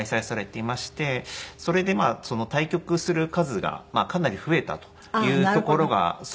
それで対局する数がかなり増えたというところが。